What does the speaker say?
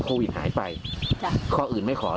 เคยสบายนั่งคุยพี่น้อง